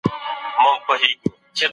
پوهنتونونو انټرنیټي اسانتیاوې درلودې.